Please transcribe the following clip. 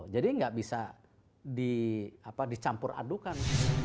jadi nggak bisa dicampur adukan